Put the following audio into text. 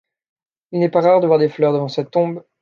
Il n'est pas rare de voir des fleurs devant sa tombe.